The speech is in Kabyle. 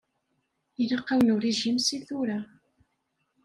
Ilaq-awen urijim seg tura.